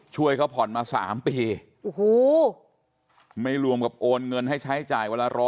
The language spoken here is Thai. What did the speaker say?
ช่วยเขาผ่อนมา๓ปีโอ้โหไม่รวมกับโอนเงินให้ใช้จ่ายวันละ๑๐๐